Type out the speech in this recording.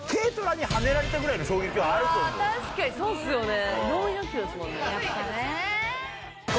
確かにそうっすよね。